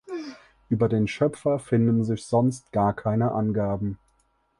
Über den Schöpfer finden sich sonst gar keine Angaben.